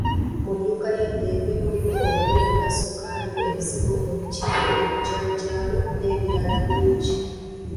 Mu duuka lya Dembe mulimu obuwunga, sukali, ebizigo, omuceere, ebijanjaalo, n'ebirala bingi.